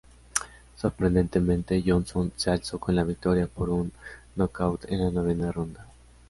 Sorprendentemente, Johnson se alzó con la victoria por un knockout en la novena ronda.